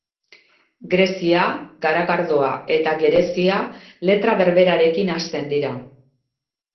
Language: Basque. Grezia, garagardoa eta gerezia letra berberarekin hasten dira.